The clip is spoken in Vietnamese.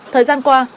thời gian qua